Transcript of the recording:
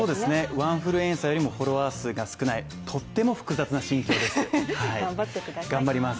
ワンフルエンサーよりもフォロワーが少ないとっても複雑な心境です、頑張ります。